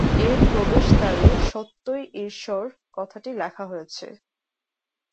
এর প্রবেশদ্বারে "সত্যই ঈশ্বর" কথাটি লেখা হয়েছে।